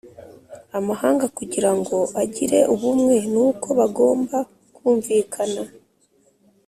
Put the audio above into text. amahanga kugira ngo agire ubumwe nuko bagomba kumvikana